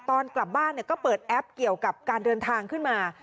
ตอนกลับบ้านก็เปิดแอปเกี่ยวกับการเดินทางขึ้นมา